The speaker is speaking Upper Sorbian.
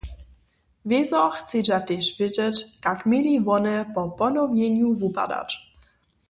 Wězo chcedźa tež wědźeć, kak měli wone po ponowjenju wupadać.